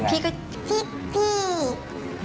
ก็ไม่รู้ว่าฟ้าจะระแวงพอพานหรือเปล่า